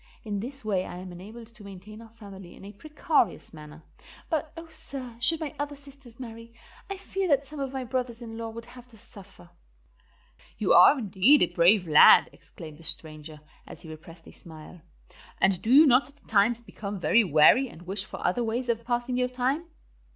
In this way I am enabled to maintain our family in a precarious manner; but, oh, sir, should my other sisters marry, I fear that some of my brothers in law would have to suffer." "You are indeed a brave lad," exclaimed the stranger, as he repressed a smile. "And do you not at times become very weary and wish for other ways of passing your time?"